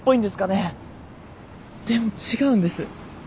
でも違うんです。